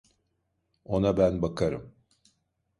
Ona ben bakarım.